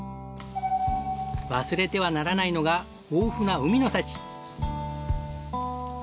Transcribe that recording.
忘れてはならないのが豊富な海の幸。